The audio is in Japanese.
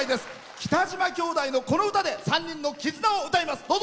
北島兄弟のこの歌で３人の絆を歌います。